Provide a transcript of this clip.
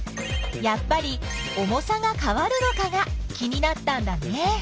やっぱり重さがかわるのかが気になったんだね。